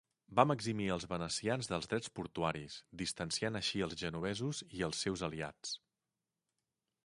Va eximir els venecians dels drets portuaris, distanciant així els genovesos i els seus aliats.